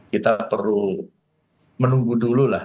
kita perlu menunggu dulu lah